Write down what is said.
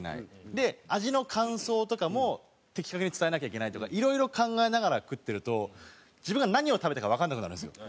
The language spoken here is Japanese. で味の感想とかも的確に伝えなきゃいけないとかいろいろ考えながら食ってると自分が何を食べたかわからなくなるんですよ。